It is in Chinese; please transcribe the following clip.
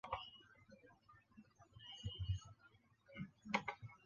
相对论引起了学生们的强烈求知意愿。